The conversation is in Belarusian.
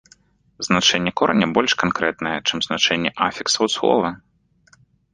Значэнне кораня больш канкрэтнае, чым значэнне афіксаў слова.